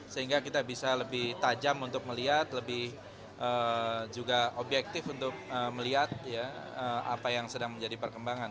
sehingga kita bisa lebih tajam untuk melihat lebih juga objektif untuk melihat apa yang sedang menjadi perkembangan